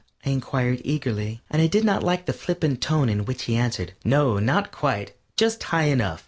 I inquired, eagerly, and I did not like the flippant tone in which he answered: "No, not quite just high enough."